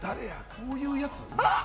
こういうやつ？